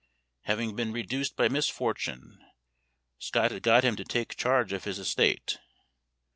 Having been reduced by misfortune, Scott had got him to take charge of his estate.